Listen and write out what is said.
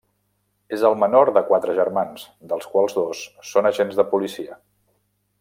És el menor de quatre germans, dels quals dos són agents de policia.